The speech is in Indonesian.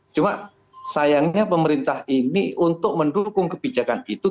cuma sayangnya pemerintah ini untuk mendukung kebijakan itu